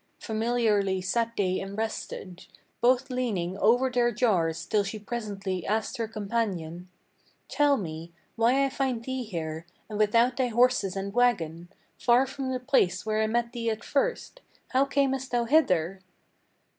Familiarly sat they and rested, Both leaning over their jars, till she presently asked her companion: "Tell me, why I find thee here, and without thy horses and wagon, Far from the place where I met thee at first? how camest thou hither?"